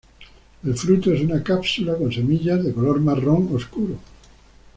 El fruto es una cápsula con semillas de color marrón oscuro.